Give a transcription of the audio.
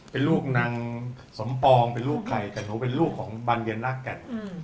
เป็นลูกนางสมปองเป็นลูกใครแต่หนูเป็นลูกของบรรเดียนลากัด